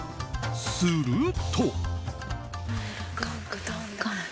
すると。